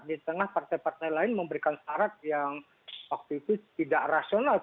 di tengah partai partai lain memberikan syarat yang waktu itu tidak rasional